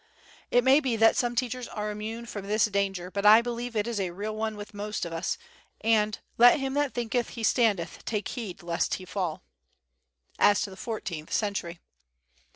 It may be that some teachers are immune from this danger, but I believe it is a real one with most of us, and "let him that thinketh he standeth take heed lest he fall!" As to the Fourteenth Century.